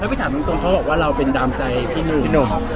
ไม่ไปถามจริงเขาบอกว่าเราเป็นดามใจพี่หนุ่ม